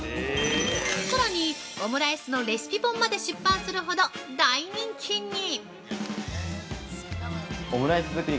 さらに、オムライスのレシピ本まで出版するほど、大人気に！